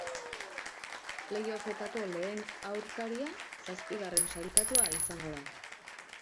Playoffetako lehen aurkaria, zazpigarren sailkatua izango da.